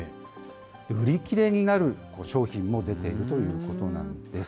売り切れになる商品も出ているということなんです。